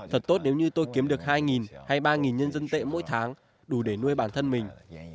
thật tốt nếu như tôi kiếm được hai hay ba nhân dân tệ mỗi tháng đủ để nuôi bản thân mình